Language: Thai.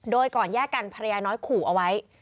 โดยก่อนแยกกันภรรยาน้อยขู่เอาไว้